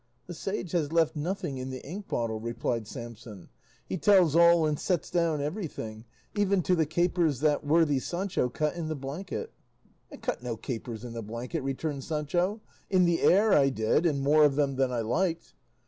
"The sage has left nothing in the ink bottle," replied Samson; "he tells all and sets down everything, even to the capers that worthy Sancho cut in the blanket." "I cut no capers in the blanket," returned Sancho; "in the air I did, and more of them than I liked."